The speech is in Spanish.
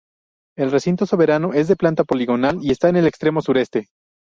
El recinto soberano es de planta poligonal y está en el extremo sureste.